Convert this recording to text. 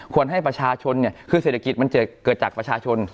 ให้ประชาชนเนี่ยคือเศรษฐกิจมันจะเกิดจากประชาชน